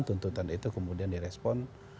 tuntutan itu kemudian direspon